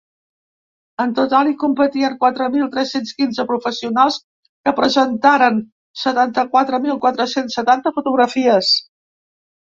En total, hi competien quatre mil tres-cents quinze professionals, que presentaren setanta-quatre mil quatre-cents setanta fotografies.